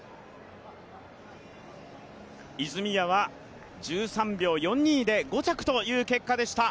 泉谷は１３秒４２で５着という結果でした。